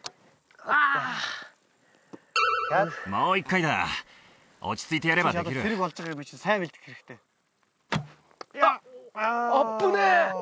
あもう一回だ落ち着いてやればできるあっ危ねえ！